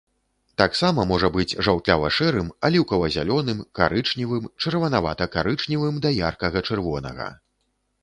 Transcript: Таксама можа быць жаўтлява-шэрым, аліўкава-зялёным, карычневым, чырванавата-карычневым да яркага-чырвонага.